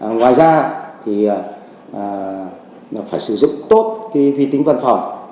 ngoài ra thì phải sử dụng tốt cái vi tính văn phòng